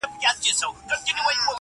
اوس چي راسي خو په څنګ را نه تېرېږي,